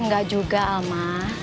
gak juga alma